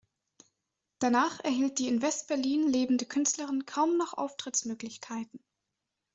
Danach erhielt die in West-Berlin lebende Künstlerin kaum noch Auftrittsmöglichkeiten.